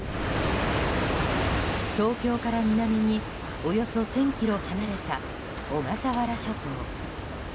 東京から南におよそ１０００ｋｍ離れた小笠原諸島。